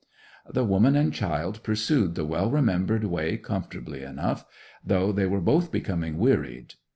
The woman and child pursued the well remembered way comfortably enough, though they were both becoming wearied.